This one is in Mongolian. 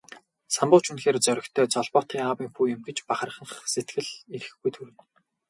Самбуу ч үнэхээр зоригтой, золбоотой аавын хүү юм гэж бахархах сэтгэл эрхгүй төрнө.